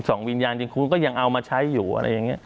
วิญญาณจริงคุณก็ยังเอามาใช้อยู่อะไรอย่างนี้